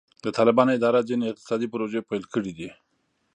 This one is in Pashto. د طالبانو اداره ځینې اقتصادي پروژې پیل کړې دي.